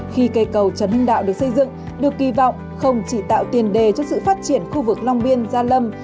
khi cây cầu trấn hưng đạo được xây dựng được kỳ vọng không chỉ tạo tiền đề cho sự phát triển khu vực long biên gia lâm